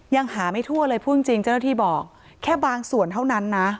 ยังหาไม่ทั่วเลยพูดจริงเจ้าหน้าที่บอกแค่บางส่วนเท่านั้นนะ